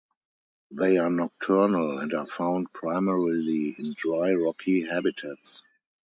They are nocturnal and are found primarily in dry, rocky habitats.